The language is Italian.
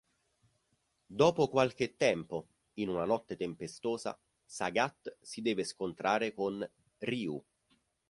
Dopo qualche tempo, in una notte tempestosa, Sagat si deve scontrare con Ryu.